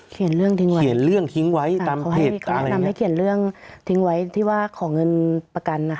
เขียนเรื่องทิ้งไว้เขาทำให้เขียนเรื่องทิ้งไว้ที่ว่าของเงินประกัน